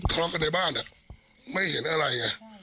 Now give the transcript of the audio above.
คลอกกันในบ้านอ่ะไม่เห็นอะไรง่ะ